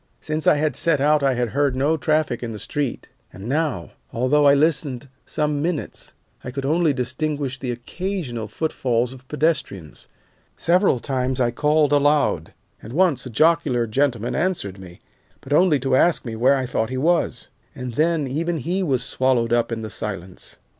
Since I had set out I had heard no traffic in the street, and now, although I listened some minutes, I could only distinguish the occasional footfalls of pedestrians. Several times I called aloud, and once a jocular gentleman answered me, but only to ask me where I thought he was, and then even he was swallowed up in the silence.